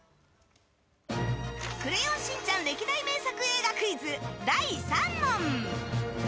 「クレヨンしんちゃん」歴代名作映画クイズ、第３問。